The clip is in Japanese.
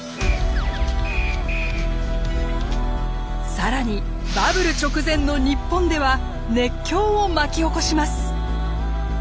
更にバブル直前の日本では熱狂を巻き起こします。